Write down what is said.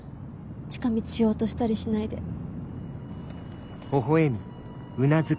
近道しようとしたりしないで。